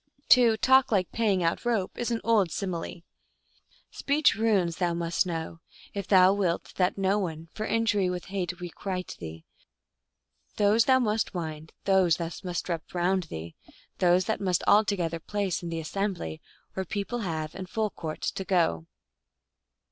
To " talk like paying out rope " is an old simile. " Speech runes thou must know, If thou wilt that no one for injury with hate requite thee. Those thou must wind, Those thou must wrap round (thee), Those thou must altogether place in the assembly, where people have into full court to go."